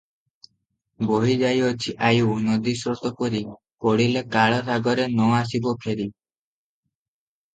ବହିଯାଇଅଛି ଆୟୁ ନଦୀସ୍ରୋତ ପରି ପଡିଲେ କାଳ ସାଗରେ ନ ଆସିବ ଫେରି ।